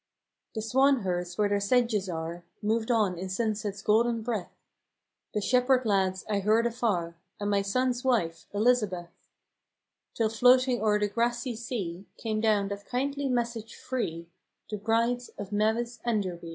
The swanherds where their sedges are Moved on in sunset's golden breath, The shepherde lads I heard afarre, And my sonne's wife, Elizabeth ; Till floating o'er the grassy sea Came down that kyndly message free The " Brides of Mavis Enderby."